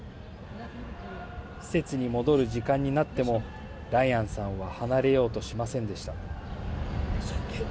施設に戻る時間になっても、ラヤンさんは離れようとしませんでした。